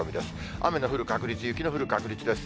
雨の降る確率、雪の降る確率です。